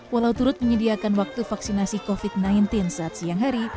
walau turut menyediakan waktu vaksinasi covid sembilan belas saat siang hari